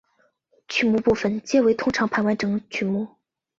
曲目部分皆为通常盘完整曲目。